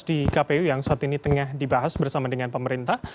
di kpu yang saat ini tengah dibahas bersama dengan pemerintah